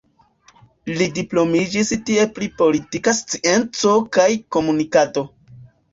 Li diplomiĝis tie pri politika scienco kaj komunikado.